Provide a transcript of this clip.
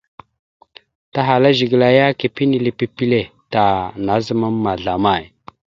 Tahala Zigəla ya, kepé enile pipile ta, nazəmam ma zlamay?